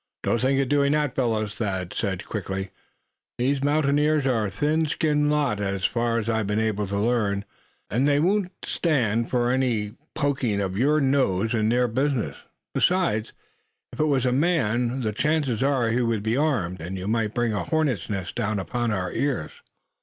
"Don't think of doing that, fellows," Thad said, quickly. "These mountaineers are a thin skinned lot as far as I've been able to learn; and they won't stand for any poking of your nose into their business. Besides, if it was a man, the chances are he would be armed, and you might bring a hornet's nest down about our ears."